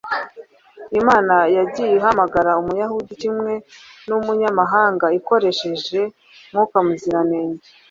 Imana yagiye ihamagara Umuyahudi kimwe n’umunyamahanga ikoresheje Mwuka Muziranenge.